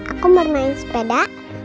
aku mau main sepeda